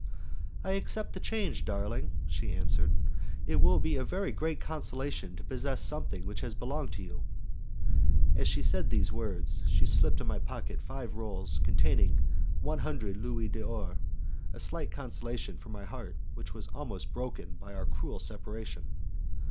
"I accept the change, darling," she answered, "it will be a great consolation to possess something which has belonged to you." As she said these words, she slipped in my pocket five rolls containing each one hundred louis d'or a slight consolation for my heart, which was almost broken by our cruel separation!